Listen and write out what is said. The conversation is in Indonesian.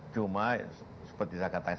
cuma seperti saya katakan